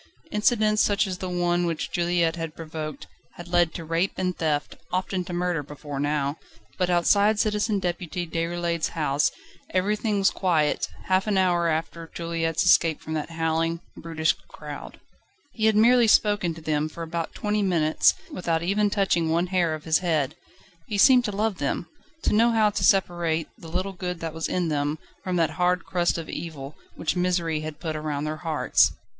Incidents such as the one which Juliette had provoked, had led to rape and theft, often to murder, before now: but outside Citizen Deputy Déroulède's house everything was quiet, half an hour after Juliette's escape from that howling, brutish crowd. He had merely spoken to them, for about twenty minutes, and they had gone away quite quietly, without even touching one hair of his head. He seemed to love them: to know how to separate the little good that was in them, from that hard crust of evil, which misery had put around their hearts.